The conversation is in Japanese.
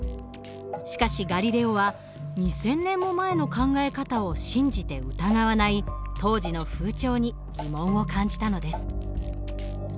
しかしガリレオは２，０００年も前の考え方を信じて疑わない当時の風潮に疑問を感じたのです。